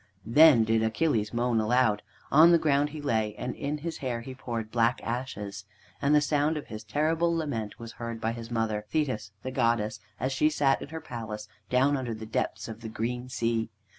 Then did Achilles moan aloud. On the ground he lay, and in his hair he poured black ashes. And the sound of his terrible lament was heard by his mother, Thetis, the goddess, as she sat in her palace down under the depths of the green sea.